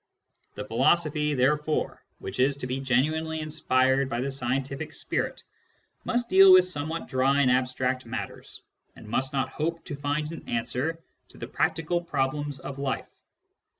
The philosophy, therefore, which is to be genuinely inspired by the scientific spirit, must deal with somewhat dry and abstract matters, and must not hope to find an answer to the practical problems of life.